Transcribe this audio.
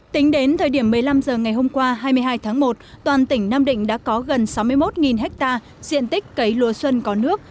tính đến thời điểm một mươi năm h ngày hôm qua hai mươi hai tháng một toàn tỉnh nam định đã có gần sáu mươi một ha diện tích cấy lúa xuân có nước